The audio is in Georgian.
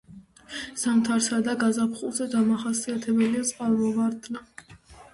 ზამთარსა და გაზაფხულზე დამახასიათებელია წყალმოვარდნა.